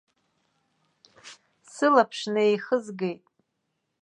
Сылаԥш неихызгеит.